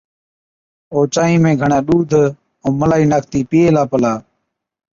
او چانهِي ۾ گھڻَي ڏُوڌ ائُون ملائِي ناکتِي پِيئي هِلا پلا